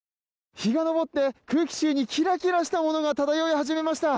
日が上って空気中にキラキラしたものが漂い始めました